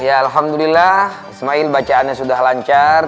ya alhamdulillah ismail bacaannya sudah lancar